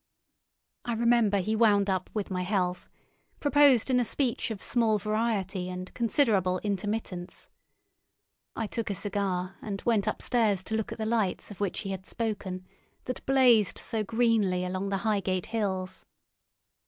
I remember he wound up with my health, proposed in a speech of small variety and considerable intermittence. I took a cigar, and went upstairs to look at the lights of which he had spoken that blazed so greenly along the Highgate hills.